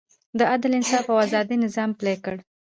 د عدل، انصاف او ازادۍ نظام پلی کړ.